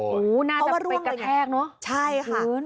โอ้โหน่าจะไปกระแทกเนอะใช่ค่ะ